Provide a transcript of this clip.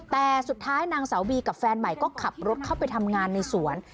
แต่สุดท้ายนางสาวบีกับแฟนใหม่ก็ขับรถเข้าไปทำงานในสวน